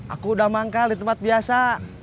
aku udah manggal di tempat biasa